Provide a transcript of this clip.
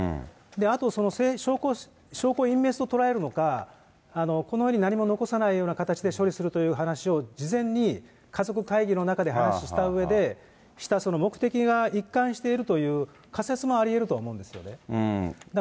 あと、証拠隠滅と捉えるのか、この世に何も残さない形で処理するという話を事前に家族会議の中で話したうえで、した目的が一貫しているという仮説もありえると思うんですよね。